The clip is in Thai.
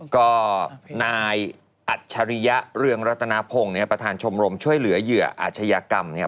ก็นายอัจฉริยะเรืองรัตนพงศ์เนี่ยประธานชมรมช่วยเหลือเหยื่ออาชญากรรมเนี่ย